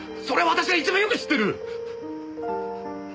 それは私が一番よく知ってる！